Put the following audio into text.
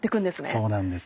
そうなんです。